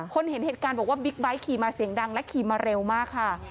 เห็นเหตุการณ์บอกว่าบิ๊กไบท์ขี่มาเสียงดังและขี่มาเร็วมากค่ะ